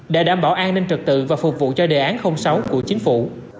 để đảm bảo an ninh trật tự và phục vụ cho đề án sáu của chính phủ